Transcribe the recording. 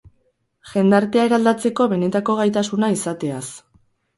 Jendartea eraldatzeko benetako gaitasuna izateaz.